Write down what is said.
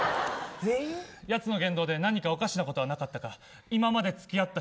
やつの言動で何かおかしなことはなかったか。